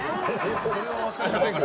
それは分かりませんけど。